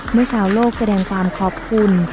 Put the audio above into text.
เมื่อชาวโลกแสดงความขอบคุณ